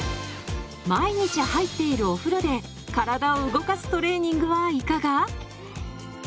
毎日入っているお風呂で体を動かすトレーニングはいかが？